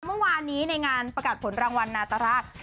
เมื่อวานนี้ในงานประกาศผลรางวัลนาตราช